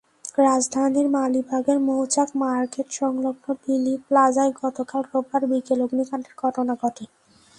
রাজধানীর মালিবাগের মৌচাক মার্কেটসংলগ্ন লিলি প্লাজায় গতকাল রোববার বিকেল অগ্নিকাণ্ডের ঘটনা ঘটে।